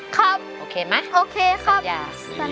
ครับโอเคไหมโอเคครับอย่า